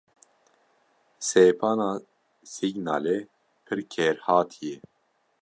Sepana Signalê pir kêrhatî ye.